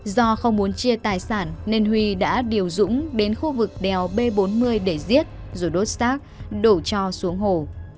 do không muốn chia tài sản nên huy đã điều dũng đến khu vực đèo b bốn mươi để giết rồi đốt xác đổ cho xuống hồ